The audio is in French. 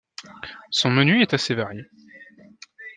Son menu est assez varié.